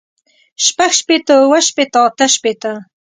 شپږ شپېته اووه شپېته اتۀ شپېته